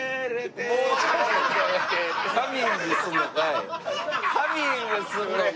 ハミングすんのんかい。